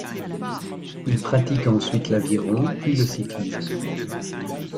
Il pratique ensuite l'aviron, puis le cyclisme.